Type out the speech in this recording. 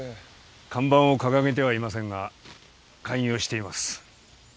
看板を掲げてはいませんが開業しています。